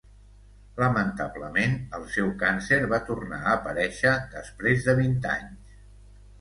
Lamentablement, el seu càncer va tornar a aparèixer després de vint anys.